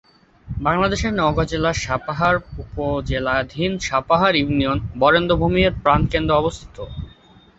বাংলাদেশের নওগাঁ জেলার সাপাহার উপজেলাধীন সাপাহার ইউনিয়ন বরেন্দ্র ভূমি এর প্রাণকেন্দ্রে অবস্থিত।